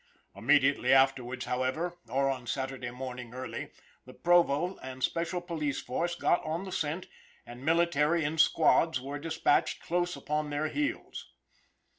Immediately afterwards, however, or on Saturday morning early, the provost and special police force got on the scent, and military in squads were dispatched close upon their heels.